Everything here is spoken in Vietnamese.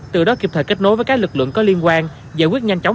từ đó kịp thời kết nối với các lực lượng có liên quan giải quyết nhanh chóng